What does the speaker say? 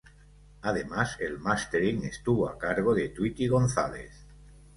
Además el mastering estuvo a cargo de Tweety González.